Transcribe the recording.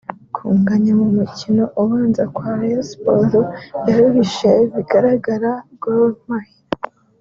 Kunganya mu mukino ubanza kwa Rayon Sports yaruhishe bigaragara Gor Mahia